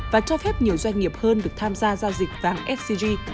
và cho phép nhiều doanh nghiệp hơn được tham gia giao dịch vàng scg